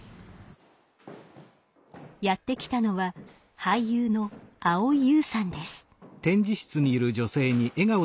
やって来たのは俳優の蒼井優さんです。